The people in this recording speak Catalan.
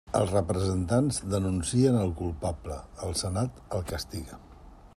Els representants denuncien el culpable, el Senat el castiga.